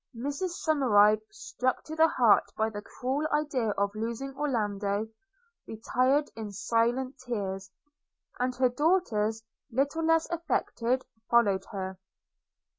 Mrs Somerive, struck to the heart by the cruel idea of losing Orlando, retired in silent tears; and her daughters, little less affected, followed her.